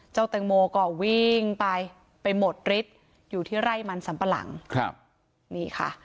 แตงโมก็วิ่งไปไปหมดฤทธิ์อยู่ที่ไร่มันสัมปะหลังครับนี่ค่ะ